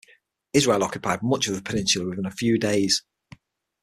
Israel occupied much of the peninsula within a few days.